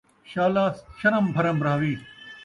شالا شرم بھرم رہوی